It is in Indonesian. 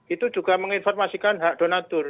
itu juga menginformasikan hak donatur